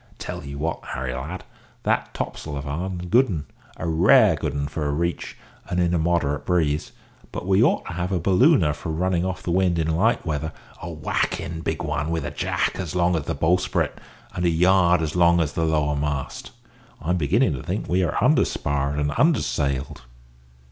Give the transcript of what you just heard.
Tell ye what, Harry, lad; that topsail of our'n is a good un a rare good un for a reach, and in a moderate breeze; but we ought to have a `ballooner' for running off the wind in light weather a whacking big un, with a `jack' as long as the bowsprit, and a yard as long as the lower mast. I'm beginning to think we are under sparred and under sailed."